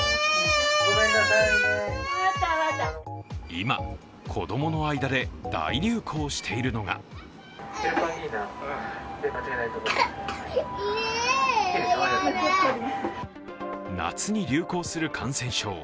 今、子供の間で大流行しているのが夏に流行する感染症。